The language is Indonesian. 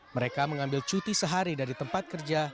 mereka mengambil cuti sehari dari tempat kerja